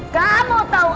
kamu tahu aku